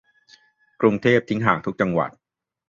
กรุงเทพทิ้งห่างทุกจังหวัด